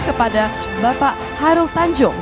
kepada bapak harold tanjung